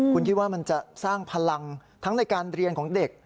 คุณคิดว่ามันจะสร้างพลังทั้งในการเรียนของเด็ก